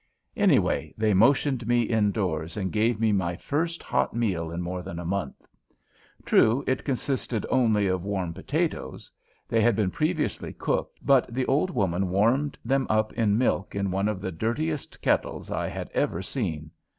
Anyway, they motioned me indoors and gave me my first hot meal in more than a month. True, it consisted only of warm potatoes. They had been previously cooked, but the old woman warmed them up in milk in one of the dirtiest kettles I had ever seen.